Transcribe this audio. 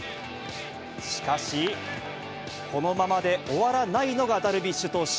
しかし、このままで終わらないのが、ダルビッシュ投手。